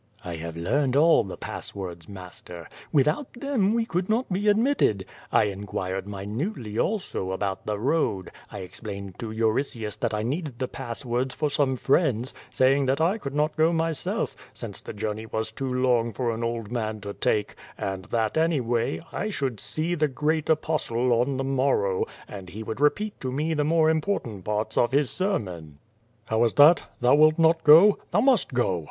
"I have learned all the passwords, master. Without them we could not be admitted. I inquired minutely also about the road, I explained to Euritius that I needed the passwords for some friends, saying that I could not go myself, since the journey was too long for an old man to take, and that, any way, I should see the 'Great Apostle^ on the morrow, and he would repeat to me the more important parts of his ser mon.'* "How is that? Thou wilt not go? Thou must go!"